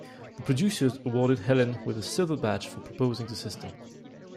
The producers awarded Helen with a Silver badge for proposing the system.